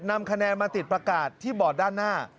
นำคะแนนมาติดประกาศที่บอร์ดด้านหน้า